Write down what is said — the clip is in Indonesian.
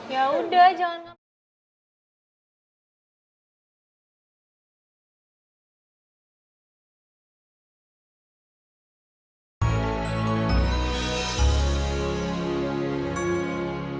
ya udah jangan ngapain